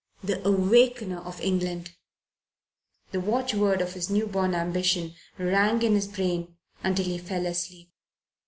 The Awakener of England! The watchword of his new born ambition rang in his brain until he fell asleep.